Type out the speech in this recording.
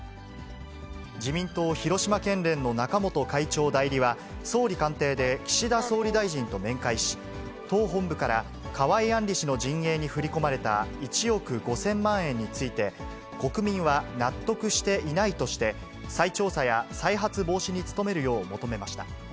自民党広島県連の中本会長代理は、総理官邸で岸田総理大臣と面会し、党本部から河井案里氏の陣営に振り込まれた１億５０００万円について、国民は納得していないとして、再調査や再発防止に努めるよう求めました。